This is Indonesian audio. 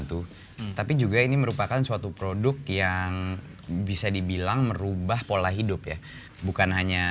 tapi juga ini merupakan suatu produk yang bisa dibilang merubah pola hidup ya bukan hanya